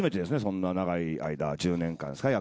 そんな長い間１０年間ですか？